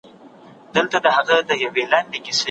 نور هم حق لري.